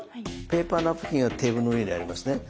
ペーパーナプキンはテーブルの上にありますね。